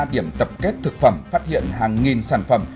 điểm tập kết thực phẩm phát hiện hàng nghìn sản phẩm